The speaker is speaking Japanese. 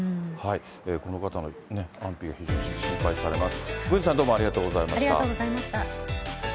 この方のね、安否が非常に心配されます。